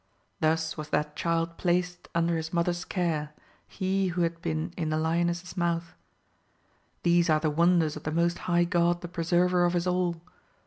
Thus was that child placed under his mother's care, he who had been in the lioness's mouth. These are the wonders of the Most High God the preserver of us all